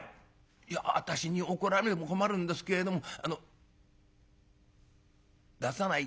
「いや私に怒られても困るんですけれどもあの出さない